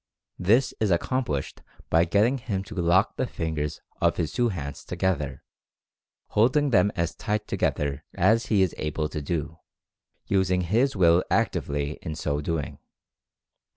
This is accomplished by getting him to "lock" the fingers of his two hands together, holding them as tight together as he is able to do, using his Will actively in so doing.